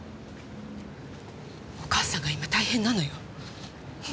お義母さんが今大変なのよ。